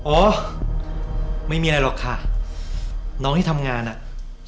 โอ้ไม่มีอะไรหรอกค่ะน้องที่ทำงานชอบทำงาน